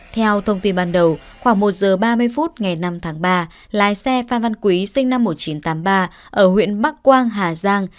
theo thông tin ban đầu khoảng một giờ ba mươi phút ngày năm tháng ba lái xe phan văn quý sinh năm một nghìn chín trăm tám mươi ba ở huyện bắc quang hà giang